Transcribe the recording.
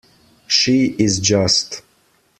She is just.